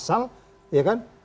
asal ya kan